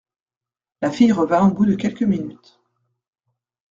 La fille revint au bout de quelques minutes.